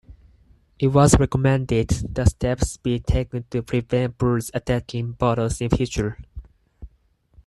It was recommended that steps be taken to prevent birds attacking bottles in future.